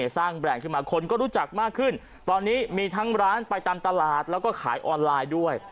แบรนด์ขึ้นมาคนก็รู้จักมากขึ้นตอนนี้มีทั้งร้านไปตามตลาดแล้วก็ขายออนไลน์ด้วย